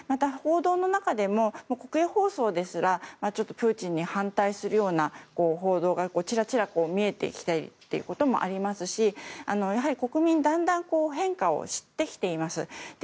報道の中でも国営放送ですらプーチンに反対するような報道がちらちら見えてきていることもありますしやはり国民だんだん変化を知ってきています。